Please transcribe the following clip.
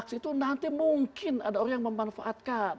itu nanti mungkin ada orang yang memanfaatkan